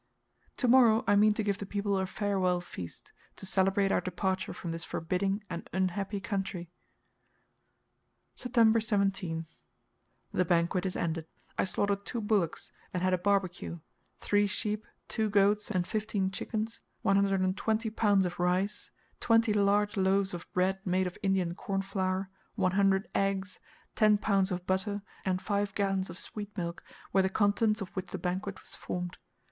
To morrow I mean to give the people a farewell feast, to celebrate our departure from this forbidding and unhappy country. September 17th. The banquet is ended. I slaughtered two bullocks, and had a barbacue; three sheep, two goats, and fifteen chickens, 120 lbs. of rice, twenty large loaves of bread made of Indian corn flour, one hundred eggs, 10 lbs. of butter, and five gallons of sweet milk, were the contents of which the banquet was formed.